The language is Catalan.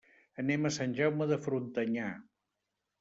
Anem a Sant Jaume de Frontanyà.